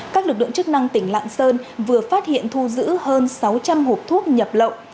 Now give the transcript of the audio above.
các lực lượng chức năng tỉnh lạng sơn vừa phát hiện thu giữ hơn sáu trăm linh hộp thuốc nhập lậu